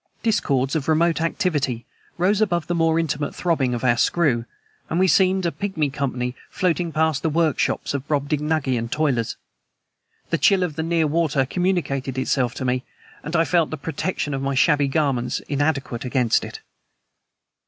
Discords of remote activity rose above the more intimate throbbing of our screw, and we seemed a pigmy company floating past the workshops of Brobdingnagian toilers. The chill of the near water communicated itself to me, and I felt the protection of my shabby garments inadequate against it.